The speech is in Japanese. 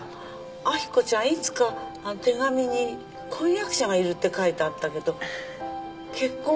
明子ちゃんいつか手紙に婚約者がいるって書いてあったけど結婚は？